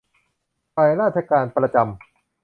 ฝ่ายราชการประจำ